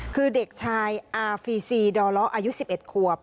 คือเด็กชายอาฟีซีดรอ๑๑ควบ